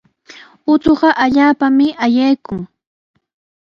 Uchuqa allaapami ayaykun.